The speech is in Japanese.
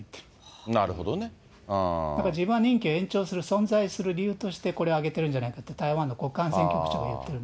だから自分は任期を延長する存在する理由としてこれを挙げてるんじゃないかと、台湾の国家安全局長が言ってる。